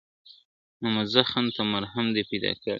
نه مو زخم ته مرهم دي پیدا کړي !.